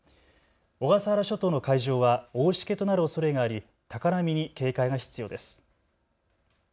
小笠原諸島の海上は大しけとなるおそれがあり高波に警戒が必要です。